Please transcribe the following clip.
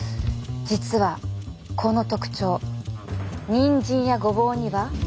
実はこの特徴にんじんやごぼうにはないんです。